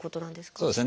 そうですね。